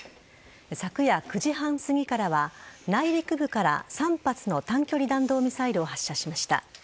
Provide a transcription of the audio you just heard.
昨夜９時半すぎからは内陸部から３発の短距離弾道ミサイルを発射しました。